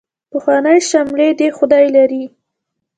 پخوانۍ شملې دې خدای لري.